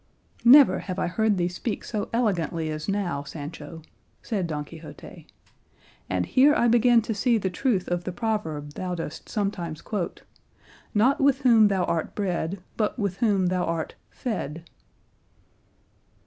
"Never have I heard thee speak so elegantly as now, Sancho," said Don Quixote; "and here I begin to see the truth of the proverb thou dost sometimes quote, 'Not with whom thou art bred, but with whom thou art fed.